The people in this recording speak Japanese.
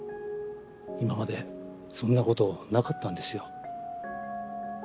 今までそんなことなかったんですよ。